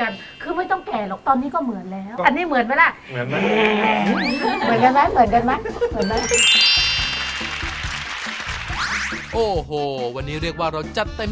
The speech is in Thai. อันนั้นก็ไม่ใช่ธรรมดา